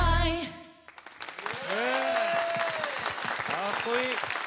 かっこいい！